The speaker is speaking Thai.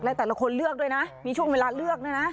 และแต่ละคนเลือกด้วยนะมีช่วงเวลาเลือกด้วยนะ